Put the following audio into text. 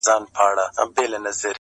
له سهاره تر ماښامه په ژړا یو-